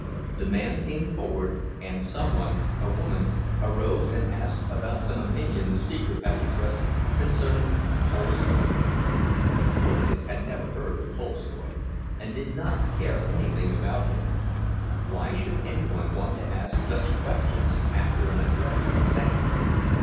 The man came forward, and some one—a woman—arose and asked about some opinion the speaker had expressed concerning Tolstoy. Jurgis had never heard of Tolstoy, and did not care anything about him. Why should any one want to ask such questions, after an address like that?